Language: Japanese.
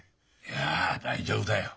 いや大丈夫だよ。